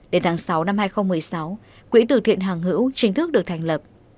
đến tháng sáu năm hai nghìn một mươi sáu quỹ từ thiện hàng hữu chính thức được thành lập